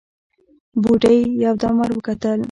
بوډۍ يودم ور وکتل: